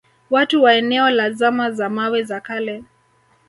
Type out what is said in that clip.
Watu wa eneo la zama za mawe za kale